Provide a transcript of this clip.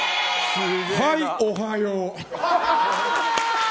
はい、おはよう。